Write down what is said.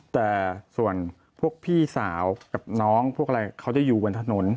แต่ส่วนพวกพี่สาวกับน้องพวกอะไรเขาจะอยู่บนถนน